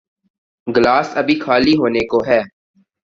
Glass اب خالی ہونے کو ہے۔